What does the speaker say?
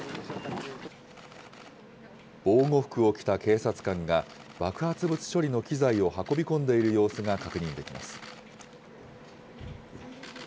防護服を着た警察官が、爆発物処理の機材を運び込んでいる様子が確認できます。